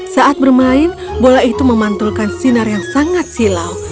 saat bermain bola itu memantulkan sinar yang sangat silau